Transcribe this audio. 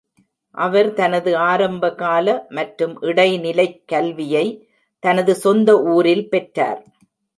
அவர் தனது ஆரம்பகால மற்றும் இடைநிலைக் கல்வியை தனது சொந்த ஊரில் பெற்றார்.